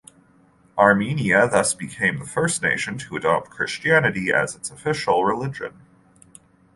Armenia thus became the first nation to adopt Christianity as its official religion.